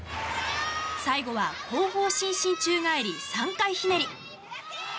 最後は後方伸身宙返り３回ひねり。